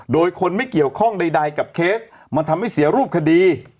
โดยคนไม่เกี่ยวข้องใดกับเคสมันทำให้เสียรูปคดี